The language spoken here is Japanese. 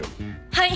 ・はい。